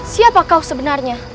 siapa kau sebenarnya